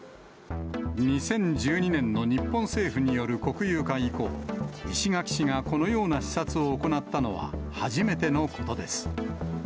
２０１２年の日本政府による国有化以降、石垣市がこのような視察を行ったのは初めてのことです。